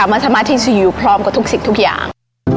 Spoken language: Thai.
กับมัธมธรรมที่จะอยู่พร้อมกับทุกสิ่งทุกอย่าง